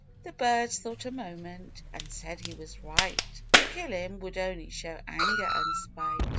The birds thought a moment, and said he was right; To kill him, would only show anger and spite.